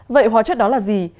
vậy hóa chất đó là gì